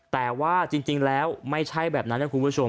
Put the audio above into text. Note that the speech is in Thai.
แต่ว่าจริงแล้วไม่ใช่แบบนั้นนะคุณผู้ชม